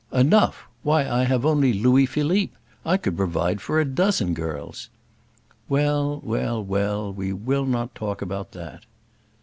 "Enough! why, I have only Louis Philippe. I could provide for a dozen girls." "Well, well, well, we will not talk about that."